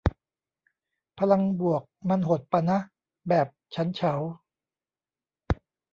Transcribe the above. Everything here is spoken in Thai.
พลังบวกมันหดปะนะ แบบ ฉันเฉา